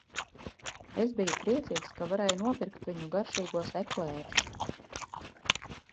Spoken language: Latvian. Es biju priecīgs, ka varēju nopirkt viņu garšīgos eklērus.